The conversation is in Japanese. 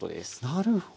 なるほど。